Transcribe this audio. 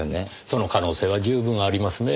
その可能性は十分ありますね。